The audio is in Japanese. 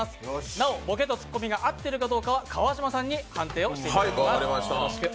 なおボケとツッコミが合ってるかどうかは川島さんに判定していただきます。